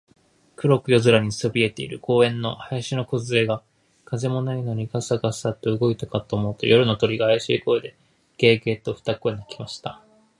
黒く夜空にそびえている公園の林のこずえが、風もないのにガサガサと動いたかと思うと、夜の鳥が、あやしい声で、ゲ、ゲ、と二声鳴きました。